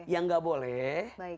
yang gak boleh